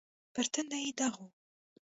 پر تندي يې داغ و.